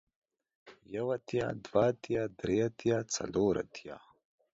يو اتيا ، دوه اتيا ، دري اتيا ، څلور اتيا ،